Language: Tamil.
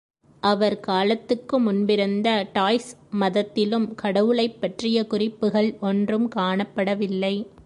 அவர் காலத்துக்கு முன்பிருந்த டாய்ஸ் மதத்திலும் கடவுளைப்பற்றிய குறிப்புகள் ஒன்றும் காணப்படவில்லை.